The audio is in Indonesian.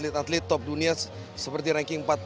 berarti atlet atlet top dunia seperti ranking empat puluh ke atas